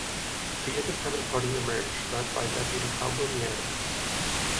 The Independent Party emerged, led by Deputy Pablo Mieres.